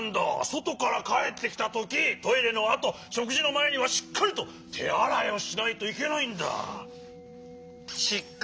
そとからかえってきたときトイレのあとしょくじのまえにはしっかりとてあらいをしないといけないんだ。